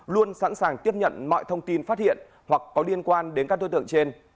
luôn sẵn sàng tiếp nhận mọi thông tin phát hiện hoặc có liên quan đến các đối tượng trên